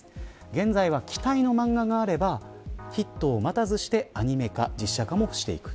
現在は期待のマンガがあればヒットを待たずしてアニメ化、実写化をしていく。